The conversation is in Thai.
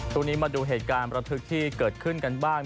ตรงนี้มาดูเหตุการณ์ประทึกที่เกิดขึ้นกันบ้าง